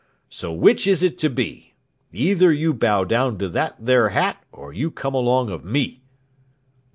So which is it to be? Either you bow down to that there hat or you come along of me."